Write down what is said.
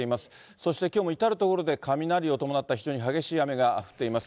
そしてきょうも至る所で雷を伴った非常に激しい雨が降っています。